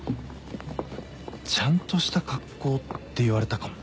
ちゃんとした格好って言われたかも。